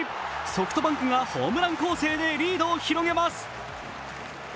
ソフトバンクがホームラン攻勢でリードを広げます。